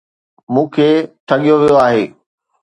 مون کي ٺڳيو ويو آهي